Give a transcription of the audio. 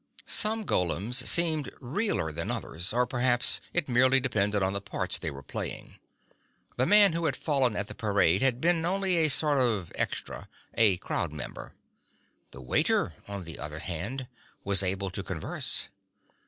Some golems seemed realer than others; or perhaps it merely depended on the parts they were playing. The man who had fallen at the parade had been only a sort of extra, a crowd member. The waiter, on the other hand, was able to converse.